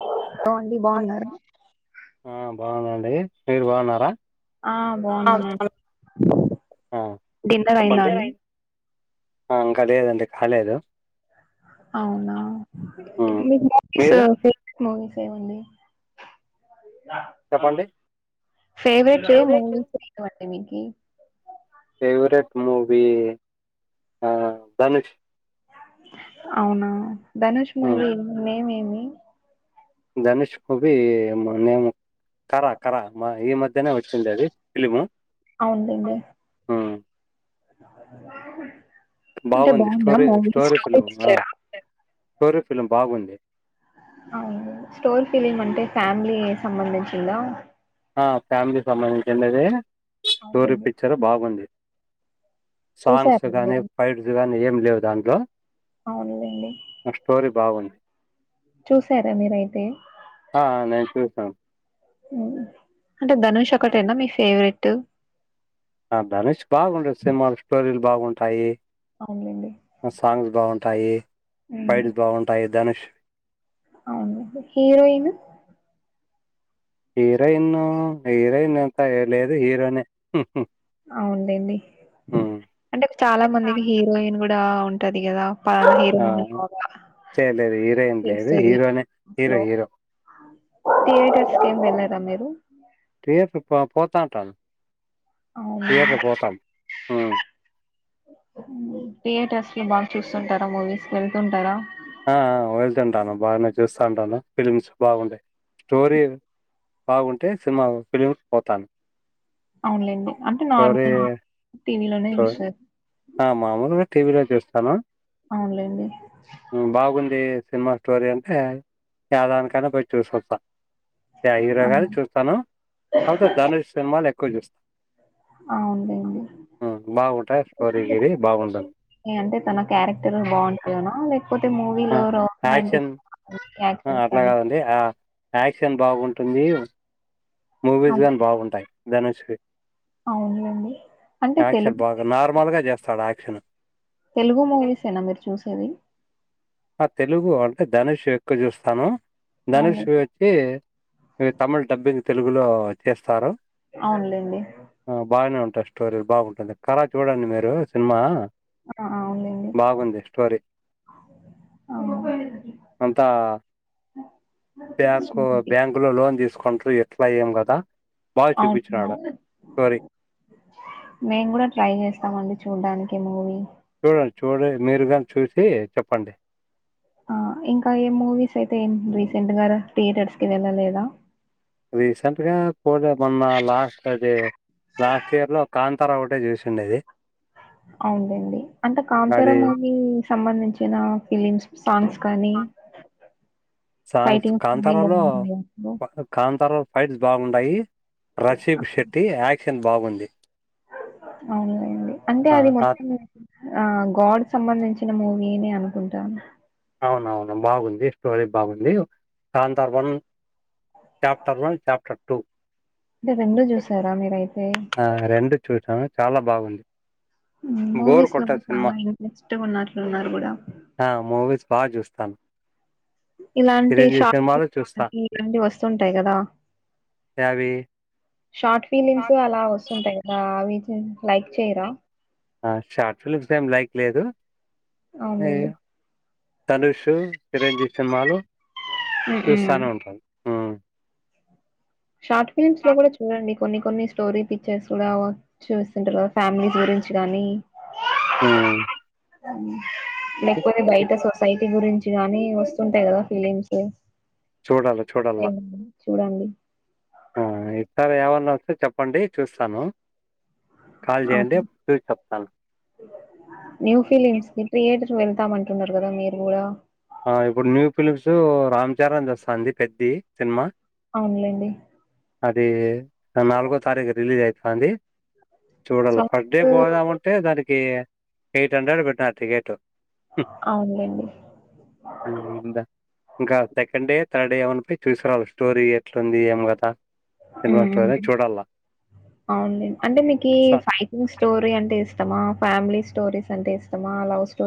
ఓ ఆ బాగుందండి మీరు బావన్నారా ఆ బాగుందమా ఆ డిన్నర్ అయిందా చెప్పండి అండి ఆ ఇంకా లేదండి కాలేదు అవునా మ్మ్ మీ మూవీస్ మీరు ఫవ సవంది చెప్పండి ఫేవరెట్ మూీస్ ఏమకి ఫేవరెట్ మూవీ ఆ ధనుష్ అవునా నుష్ మ్మ్ మూవీ మేమ్ ఏం అ ధనుష్ హూబి నేము కరా కరా మా ఈ మధ్యనే వచ్చింది అది ఫిలిము అవునండి మ్మ్ అంటే బాగుంది బాగుందా స్టోరీ మూవీస్ కోర ఫిలిం బాగుంది అవు స్టోర్ ఫీలింగ్ అంటే ఫ్యామిలీ సంబంధించిందా ఫ్యామిలీకి సంబంధించిండి అది స్టోరీ అవునండి పిక్చర్ బాగుంది సాంగ్స్ చూసారా గగానే మీరు ఫైట్స్ గాన ఏం లేవు దాంట్లో అవునులేండి స్టోరి బాగుంది చూసారా మీరైతే ఆ నేను చూసాను అ అంటే ధనుష్ ఒకటేనా మీ ఫేవరెట్ ట్ ఆ దనుేష్ బాగుంటది సినిమా స్టోరీ బాగుంటాయి అవునులేండి ఆ సాంగ్స్ బాగుంటాయి మ్. ఫైట్స్ బాగుంటాయి ధనుష్ అవును హీరోయిన్ హీరోయిన్ హీరోయిన్ అంతా లేదు హీరోయినే అవుంలేండి అంటే చాలా మందికి హీరోయిన్ కూ ఆ ఉంటది దిగద పాత ఆ హీరోయిన్ బాగా చేయలేదు హీరోయిన్ లేదు చేస్తది హీరోనే హీరో ట్లో హీరో [unintelligible] మీరు థియేటర్ క పోతాంటం అవునా థియేటర్ పోతం అ థియేటర్స్ లో బాగా చూస్తుంటార్ మూవీస్ వెళ్తుంటారా ఆ వెళ్తుంటాను బానే చూస్తా ఉంటాను ఫిలిమ్స్ బాగుంటాయి, స్టోరీ బాగుంటే సినిమా ఫిలిమ్స్ పోతాను అవునలేండి అంటే స్టోరీ నార్మల్ టీవీలోనే స్టోరీ చూస్తారు ఆ మామూలుగా టీవీలో చూస్తాను అవునులేండి ఉమ్, బాగుంది సినిమా స్టోరీ అంటే ఏదానికైనా పోయి చూసిొస్తా హీరో ఆ గదు చూస్తాను అతే ధనుష్ సినిమా నే కొ చేస్తా ఆ అవునులేండి బాగుంటాయి స్టోరీ గిరి బాగుంటుంది అంటే తన క్యారెక్టర్ బావుంటాయన్న లే పోతే ఆ, మూవీలో యాక్షన్ రొమాంటిక్ ఆ, యాక్షన్స్ అట్లా అని కాదండి ఆ, యాక్షన్ బాగుంటుంది మూవీస్ అవును గాన్ బాగుంటాయి దానుష్యి అవునులేండి అంటే యాక్షన్ తెలుగు బాగా నార్మల్గా జే తడాక్షిణ తెలుగు మూవీస్ ఏనా మీరు చూసేది ఆ తెలుగు అంటే ధనుష ఎక్కువ చూస్తాను అవును ధనుష్వి వచ్చి తమిళ డబ్బింగ్ తెలుగులో తీస్స్తారు అవునులేండి ఆ స్టోరీ బాగుంటుంది కరా చూడండి మీరు సినిమా ఆ అవునులేండి. బాగుంది స్టోరి అవును అంతా బ్యాంకు సూపి బ్యాంకు లో లోన్ తీసుకుంట ఎట్లా ఏం గాత అవును మెంగూడ ట్రై చేస్తామండి చూడడానికి మూవీ చూడండి చూడి మీరుగాని చూసి చెప్పండి ఆ ఇంకా ఏ మూవీస్ అయితే రీసెంట్ గా థియేటర్స్ కి వెళ్ళలేదా రీసెంట్ గా పూజ మొన్న లాస్ట్ అది లాస్ట్ ఇయర్ లో కాంతార ఒకటే చూసిండేది అవున్లెండి అంటే కాంతర అది మూవీ సంబంధించిన ఫిలిమ్ సాంగ్స్ కానీ సాంగ్స్ ఫైటింగ్స్ కానీ కాంతారాలో బాగున్నాయ దాంట్లో కాంతారా ఫైట్స్ బాగుండాయి రషీబ్ శెట్టి యాక్షన్ చికెన్ బాగుంది అవున్లెండి అంటే అది మొత్తం ఆ గాడ్ సంబంధించిన మూవీయేనా అనుకుంటాను అవును అవును బాగుంది స్టోరీ బాగుంది Kantara one chapter one chapter two అంటే రెండు చూసారా మీరయితే రెండు చూసాను చాలా బాగుంది బోర్ మూవీస్ లో కొట్టే కూడా సినిమా చాలా ఇంట్రెస్ట్ ఉన్నట్లు ఉన్నారు గుడా తన్ ఇలాంటి షాట్ చూస్తా. ఇలాంటివి వస్తుూంటాయి గదా అవి షార్ట్ ఫిలిమ్స్ అలా వస్తుంటాయి కదా అవి హమ్ లైక్ చేయరా ఆ షార్ట్ ఫిలిప్స్ ఏం లైక్ లేదు ఈ అవునండి ధనుష్ చిరంజీవి సినిమాలు మ్మ్. చూస్తానే ఉంటాను ఆ షార్ట్ ఫిలిమ్స్ లో కూడ చూడండి కొన్ని కొన్ని స్టోరీ పిక్చర్స్ కూడ చూస్తుంటారు కదా ఫ్యామిలీస్ గురించి కానీ అ హమ్ లేకపోతే బయట సొసైటీ గురించి గానీ వస్త ఉంటాయి కద ఫీలిమ్స్ చూడాల, ఏండి చూడండి ఇసారి ఏమన్నా వస్తే చెప్పండి చూస్తాను కాల్ ఆ జేయండి చూసి చెప్తాను. న్యూ ఫిలిమ్స్ నీ థియేటర్ వెళ్తామంటున్నారు కదా మీరు కూడా ఆ ఇప్పుడు న్యూ ఫిలిమ్స్ రామ్ చరణ్ వస్తాంది పెద్ది సినిమ అవునులేండి అది నాలుగవ తారీఖు రిలీజ్ అయితాంది చూడాల ఫస్ట్ డే సాంగ్స్ పోదామంటే దానికి ఎ ఎయిట్ హండ్రెడ్ పెట్టాలి టికెట్ కి అవును లెండి హమ్ ఇందా ఇంకా సెకండ్ డే థర్డ్ డే ఏమన్నా పోయి చూసురావాలీ స్టోరీ ఎట్లుంది ఏం కత మ్మ్ అవును అంటే మీకి ఫైటింగ్ స్టోరీ అంటే ఇష్టమా ఫ్యామిలీ స్టోరీస్ అంటే ఇష్టం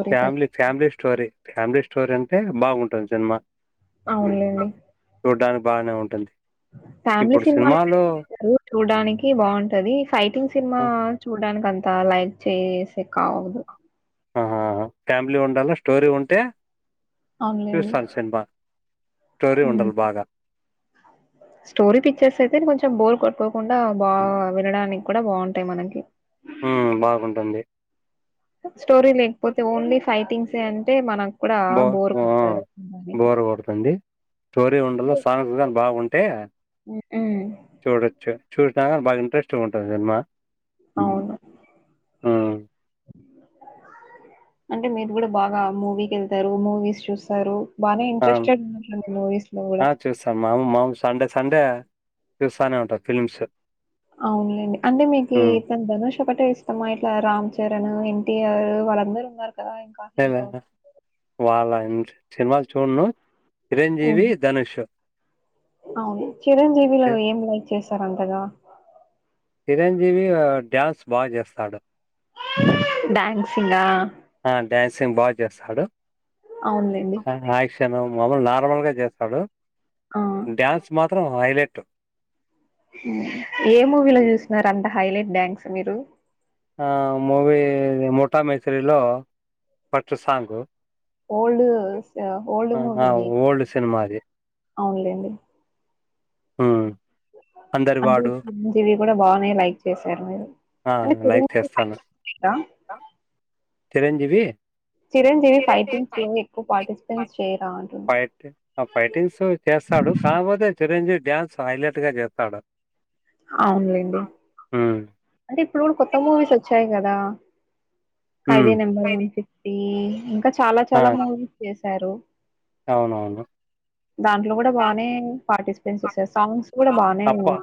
family family story family story అంటే బాగుంటది సినిమా అవునులేండి బానే ఉంటుంది ఫ్యామిలీ ఇప్పుడు సినిమాలు సినిమాలో చూడడానికి బాగుంటది ఫైటింగ్ సినిమా చూడడానికి అంత అంత లైక్ చేసే కావదు ఆహా ఫ్యామిలీ ఉండాలా స్టోరీ ఉంటే అవునులేండి చూస్తాను సినిమా స్టోరీ హమ్ ఉండాలి బాగా స్టోరీ పిక్చర్స్ అయితే కొంచెం బోర్ కోట్కోకూండ బాగా వినడానికి కూడ బాగుంటాయి మనకి హ బాగుంటుంది స్టోరీ లేకపోతే ఓన్లీ ఫైటింగ్స్ అంటే మనం బో బోర్ కొడుతుంది తోరీ ఉండాలా సాంగ్ కూడా బాగుండాలా ంటే ఉ ఊ చూసినాక బాగా ఇంట్రెస్ట్గా ఉంటుంది సినిమా అవును ఉమ్ అంటే మీరు కూడా బాగా మూవీకి వెళ్తారు మూవీస్ చూస్తారు బానే ఆ ఇంట్రెస్టెడ్ ఉన్నట్లుంది మూవీస్ లో కూడా. ఆ చూస్తాం మాము మాము సండే సండే చూస్తానే ఉంటా ఫిలిమ్స్ అవునులేండి అంటే మీకు అతను ధనుష్ ఒకటే ఇష్టమా ఇట్లా రామ్ చరణ్ ఎన్టీఆర్ వాళ్లందరూ ఉన్నారు కదా ఇంకా హీరో. [unintelligible] వాళ్ళ ఉమ్ సినిమాలు చూడను హ్మ్. చిరంజీవి ధనుష్ అవును చిరంజీవి లో చి ఏం లైక్ చేశారంతగా చిరంజీవి డ్యాన్స్ బాగా చేస్తాడు డ్యాన్సింగ్ ఆ ఆ డ్యాన్సింగ్ బాగా చేస్తాడు అవునులేండి తను మామూలు నార్మల్ గా చేస్తాడు ఆ! డ్యాన్స్ మాత్ర త్రం హైలైట్ ఏ మూవీలో చూసినారంత హైలైట్ డ్యాన్స్ మీరు ఆ మూవి ముఠా మేస్రిలో ఫస్ట్ సాంగ్ ఓల్డు ఓల్డు మూవినే ఓల్డ్ సినిమా అది అవునులే అండి ఉమ్ అంటే చిరంజీవి కూడా బాగు లైక్ చేశారు మీరు ఆ అంటే లైక్ చిరంజీవి చేస్తాను ఫైటింగ్ చిరంజీవి చిరంజీవి వి ఫైటింగ్స్ లో ఎక్కువ పార్టిసిపేట్స్ చేయరా అంటున్నా ఫైటి ఆ ఫైటింగ్స్ చేస్తాడు కాకపోతే చిరంజీవి డ్యాన్స్ హైలైట్ గా చేస్తాడు అనలేండి ఉమ్ అంటే ఇప్పుడు కూడా కొత్త మూవీస్ వచ్చాయి క కదా కయిదే ఉమ్ నెంబర్ వన్ ఫిఫ్టీ ఇంకా చాలా ఆ! చాలా మూవీస్ చేస్తా సారు అవునవును. దాంట్లో కూడా బానే పార్టిస్ అప్పా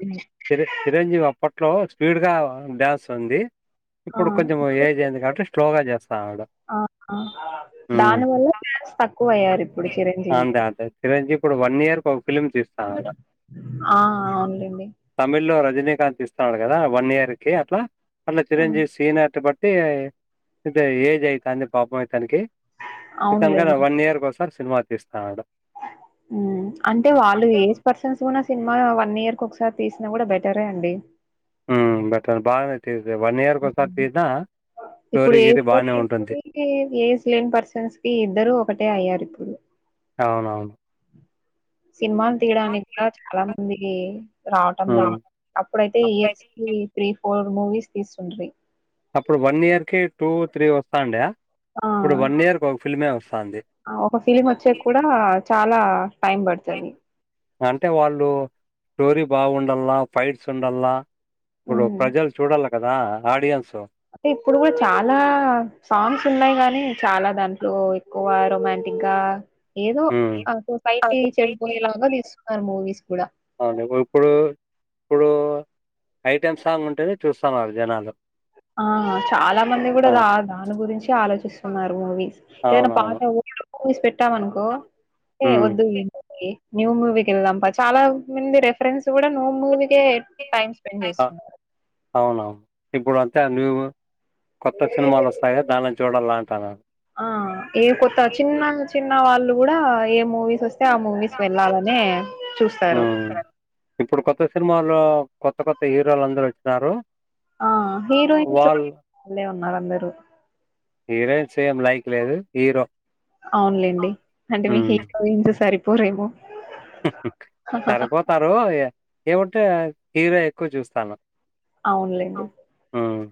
త చిరెంజీవి అప్పట్లో స్పీడ్ గా బ్యాస్ ఉంది ఆ ఇప్పుడు కొంచెం ఏదియంది కాంటే స్లోగా చేస్తాం ఆ హ్మ్. దాని వల్ల తక్ అంతే అదే తరంజీ కూడా వన్ ఇయర్ ఫిమ్ చేస్త ఆ అవులేండి తమిళ్‌లో రజనీకాంత్ ఇస్తున్నాడు కదా వన్ ఇయర్ కి అట్లా అలా ఆ చిరుంజీ సీనా బట్ ఏజయి కే పాపయి ఇతనికి ఇ తనుకనే అవునులేండి వన్ ఇయర్ ఒసారి సినిమా తీస్తాన్నాడు అంటే వాళ్ళు ఏజ్ పర్సన్స్ కూడా సినిమా వన్ ఇయర్ ఇంకొసారి తీసినా కూడా బెటరే అండి ఉ బట బాగా మ ఇప్పుడు స్టోరీ ఏజ్ గీరీ బానే పర్సన్ ఉంటుంది. కి ఏజ్ లెన్ పర్సన్స్ కి ఇద్దరు ఒకటే అయ్యారు ప్పు అవునవును సినిమాలు తీయడానికి కూడా చాలా మందికి రావటం లేదు హ్మ్. అప్పుడైతే ఈయర్స్ కి త్రీ ఫోర్ మూవీస్ తీసుండ్రి అప్పుడు వన్ ఇయర్ కి టూ త్రీ వస్తాండి ఇప్పుడు ఆ ఒక ఫీలింగ్ వచ్చే కూడా చాలా టైమ్ పడుతుది అంటే వాళ్ళు స్టోరీ బాగుండల్లా ఫైట్స్ ఉండల్లా ఇప్పుడు ప్రజలు చూడాల కదా ఆడియన్స్ అంటే ఇప్పుడు కూడా చానా సాంగ్స్ ఉన్నాయి్ గాని చాలా దాంట్లో ఎక్కువ వారు రొమాంటిక్ గా ఏదో హ్మ్ ఆ సొసైటీ చెడిపోయేలాగా తీసతున్నారు మూవీస్ కూడ అవును ఇప్పుడు ఇప్పుడు ఐటమ్ సాంగ్ ఉంటేనే చూస్తున్నారు జనాలు ఆ చాలా మంది కూడా ఆ దాని గురించి ఆలోచిస్తున్నారు మూవీస్ ఏదైనా పాట అవునవును స్ పె ఇట్టా మనకు ఏ హ్మ్ వద్దు న్యూ మూవీకి వెళ్దాం చాలా మంది రెఫరెన్స్ కూడ న్యూ మూవీ కే టైమ్ స్పెండ్ అ చేస్తున్నారు ఇను కొత్త సినిమాలు వస్తాయి దానించి చూడల్ల అంటన్నారు ఆ ఏ కొత్త చిన్న చిన్న న్న వాళ్ళు కూడ ఏ మూవీస్ వస్త ఆ మూవీస్ వెళ్ళాలని చూస్తారు హ్మ్ ఇప్పుడు కొత్త సినిమాల్లో కొత్త కొత్త హీరోలు అందరు వచ్చినారు ఆ హీరోయిన్స్ వాళ్ళు వల్లే ఉన్నారు అందరు సేమ్ లైక్ లేదు హీరో అవునులేండి అంటే మీకు హ్మ్ ఇంచ్ సరిపోద పోరేము సరిపోతారు ఏమంటే హీరో ఎక్కువ చూస్తాను అవునులేండి హ్మ్.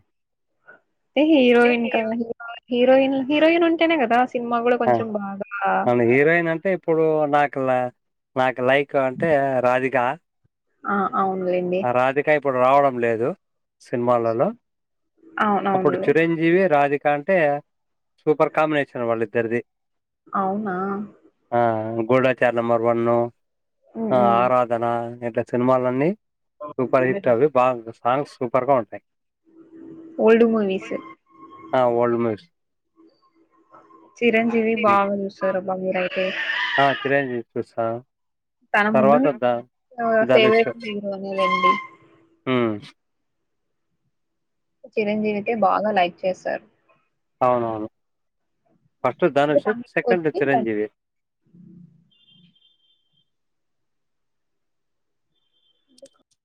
హీరోయిన్ కన్నా హీరో హీరోయిన్ హీరోయిన్ ఉంటేనే కద సినిమా కూడ ఆ! కొంచెం బాగా అవును. హీరోయిన్ అంటే ఇప్పుడు నాకు నాకు లైక్ ఎక్కు అంటే రాధిక ఆ అవునులేండి ఆ 'రాధిక' ఇప్పుడు రావడం లేదు సినిమాలలో అవును అప్పుడు అవునులే చిరంజీవి రాది ఇంకా అంటే సూపర్ కాంబినేషన్ వాళ్ళ ఇద్దరిది. అవునా గుడాచార్ నంబర్ వన్. ఉమ్, ఆ ఉమ్. ఆరాధనా న్ ఇంకా సినిమాలు నన్నీ సూపర్ హిట్ అవి బాగ చూస్ సాంగ్స్ సూపర్గా ఉంటాయి. ఓల్డ్ మూవీస్ ఆ ఓల్డ్ మూవీస్ చిరంజీవి హ్మ్. బాగా చూస్తారబ్బా మీరయితే రైతే ఆ చిరంజీవి చూస్తాం. తన ముందు నుంచి 'ధనుష్.' ఫేవరెట్ హీరోనే లేండి. హ్మ్. చిరంజీవితే బాగా లైక్ చేస్తారు. అవునవును. ఫస్ట్ అంటే ధనుష్ తమిళకి సెకండ్ వచ్చి చిరంజీవి.